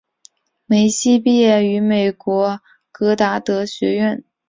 梅西毕业于美国戈达德学院。